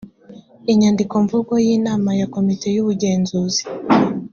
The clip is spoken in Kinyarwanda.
inyandikomvugo y inama ya komite y ubugenzuzi